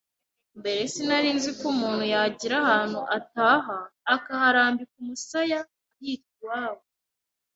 Mbere sinari nziko umuntu yagira ahantu ataha akaharambika umusaya ahita iwabo,